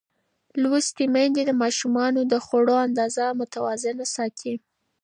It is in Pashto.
لوستې میندې د ماشومانو د خوړو اندازه متوازنه ساتي.